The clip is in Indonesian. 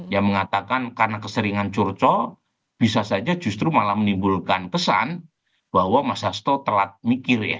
yang mengatakan karena keseringan curco bisa saja justru malah menimbulkan kesan bahwa mas hasto telat mikir ya